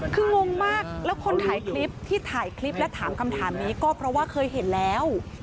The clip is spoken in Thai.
คืองงมากแล้วคนถ่ายคลิปที่ถ่ายคลิปและถามคำถามนี้ก็เพราะว่าเคยเห็นแล้ว